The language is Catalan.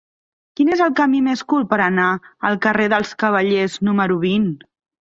Quin és el camí més curt per anar al carrer dels Cavallers número vint?